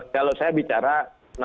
kalau saya bicara